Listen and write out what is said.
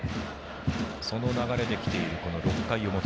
その流れできている６回表。